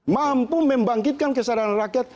mampu membangkitkan kesadaran rakyat